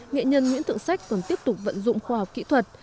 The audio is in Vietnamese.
nghệ nhân nguyễn thượng sách còn tiếp tục vận dụng khoa học kỹ thuật